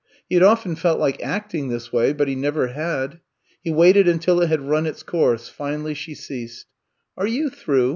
He had of ten felt like acting this way, but he never had. He waited until it had run its course* Finally she ceased. Are you through?